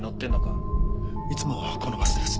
いつもこのバスです。